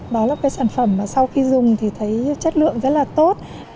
đó là cái sản phẩm mà sau khi dùng thì thấy chất lượng rất là tốt